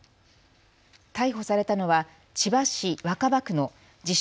逮捕されたのは千葉市若葉区の自称